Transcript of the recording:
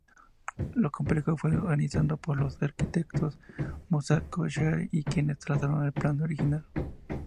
El complejo fue organizado por los arquitectos Moscato-Schere, quienes trazaron el plan original.